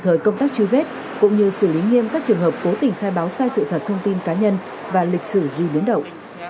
thời công tác truy vết cũng như xử lý nghiêm các trường hợp cố tình khai báo sai sự thật thông tin cá nhân và lịch sử di biến động